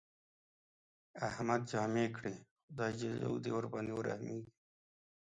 احمد جامې کړې، خدای ج دې ورباندې ورحمېږي.